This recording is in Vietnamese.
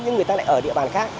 những người ta lại ở địa bàn khác